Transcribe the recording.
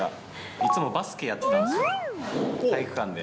いつもバスケやってたんですよ、体育館で。